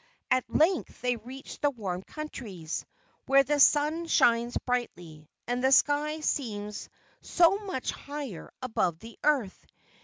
At length they reached the warm countries, where the sun shines brightly, and the sky seems so much higher above the earth.